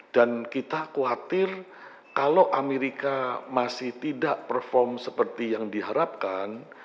dan kita khawatir kalau amerika masih tidak perform seperti yang diharapkan